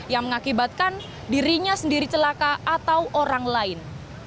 yang mengakibatkan dirinya sendiri celaka atau orang lain